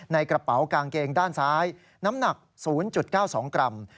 ในกระเป๋ากางเกงด้านซ้ายน้ำหนัก๐๙๒กรัม